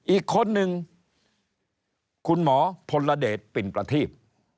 อีกคนนึงคุณหมอพลเดชปิ่นประทีบ